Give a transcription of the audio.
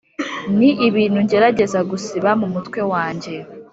Ni ibintu ngerageza gusiba mu mutwe wanjye